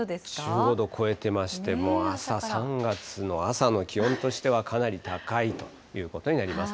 １５度超えてまして、もう朝、３月の朝の気温としてはかなり高いということになります。